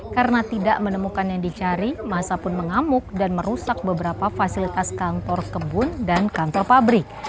karena tidak menemukan yang dicari masa pun mengamuk dan merusak beberapa fasilitas kantor kebun dan kantor pabrik